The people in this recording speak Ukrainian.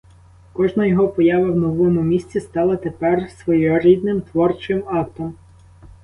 Кожна його поява в новому місці стала тепер своєрідним творчим актом.